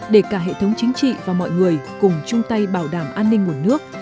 để cả hệ thống chính trị và mọi người cùng chung tay bảo đảm an ninh nguồn nước